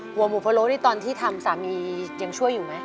หัวหมูพะโล้นี่ตอนที่ทำสามียังช่วยอยู่ไหม